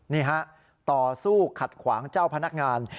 นี่ฮะต่อสู้ขัดขวางเจ้าพนักงาน